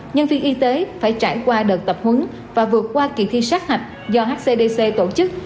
nhân viên y tế phải trải qua đợt tập huấn và vượt qua kỳ thi sát hạch do hcdc tổ chức